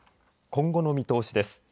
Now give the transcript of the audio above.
今後の見通しです。